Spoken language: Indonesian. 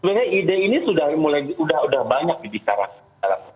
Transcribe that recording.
sebenarnya ide ini sudah mulai banyak dibicarakan